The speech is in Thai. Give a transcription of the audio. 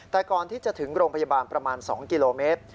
แต่ก่อนที่จะถึงโรงพยาบาลประมาณ๒กิโลเมตร